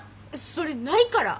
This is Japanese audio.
それないから。